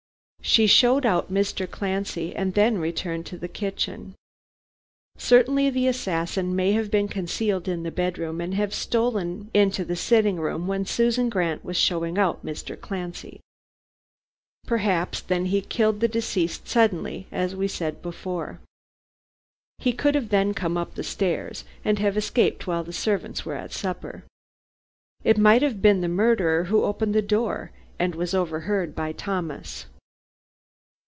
She showed out Mr. Clancy and then returned to the kitchen. Certainly the assassin may have been concealed in the bedroom and have stolen into the sitting room when Susan Grant was showing out Mr. Clancy. Perhaps then he killed the deceased suddenly, as we said before. He could have then come up the stairs and have escaped while the servants were at supper. It might have been the murderer who opened the door, and was overheard by Thomas.